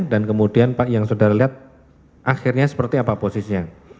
dan kemudian pak yang saudara lihat akhirnya seperti apa posisinya